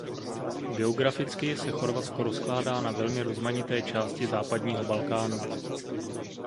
Geograficky se Chorvatsko rozkládá na velmi rozmanité části západního Balkánu.